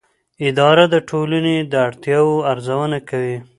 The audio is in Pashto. اداره د ټولنې د اړتیاوو ارزونه کوي.